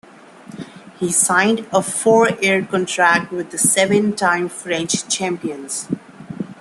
He signed a four-year contract with the seven time French champions.